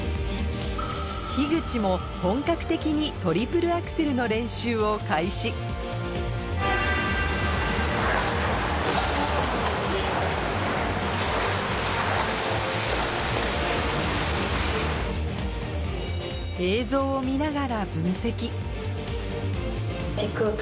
口も本格的にトリプルアクセルの練習を開始映像を見ながら分析